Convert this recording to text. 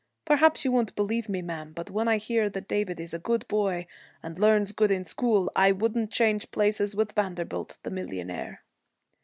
Perhaps you won't believe me, ma'am, but when I hear that David is a good boy and learns good in school, I wouldn't change places with Vanderbilt the millionaire.'